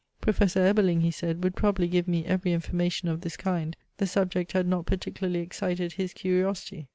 Professor Ebeling, he said, would probably give me every information of this kind: the subject had not particularly excited his curiosity.